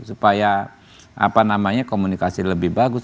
supaya komunikasi lebih bagus